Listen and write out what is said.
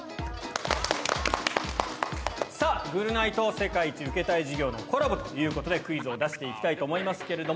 さぁ『ぐるナイ』と『世界一受けたい授業』のコラボということでクイズを出して行きたいと思いますけれども。